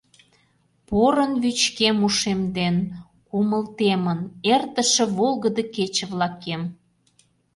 Порын вӱчкем ушем ден, кумыл темын, Эртыше волгыдо кече-влакем…